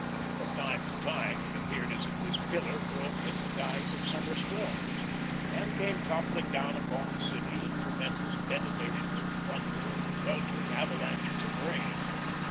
From time to time it appeared as if this pillar broke in the guise of summer storms, and came toppling down upon the city in tremendous detonations of thunder and weltering avalanches of rain.